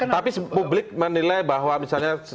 tapi publik menilai bahwa misalnya